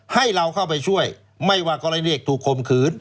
ให้เราเข้าไปช่วยไม่ว่ากรณีเด็กถูกคมขืน